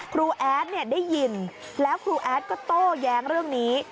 แอดได้ยินแล้วครูแอดก็โต้แย้งเรื่องนี้